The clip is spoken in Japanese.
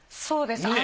そうです。